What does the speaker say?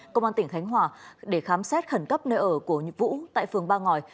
công an tỉnh khánh hòa để khám xét khẩn cấp nơi ở của vũ tại phường ba ngòi